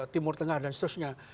timur tengah dan seterusnya